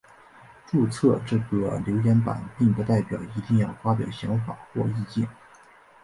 注册这个留言版并不代表一定要发表想法或意见。